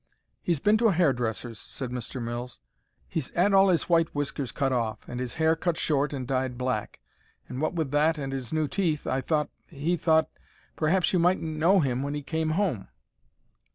"He's been to a hairdresser's," said Mr. Mills. "He's 'ad all his white whiskers cut off, and his hair cut short and dyed black. And, what with that and his new teeth, I thought—he thought—p'r'aps you mightn't know him when he came home."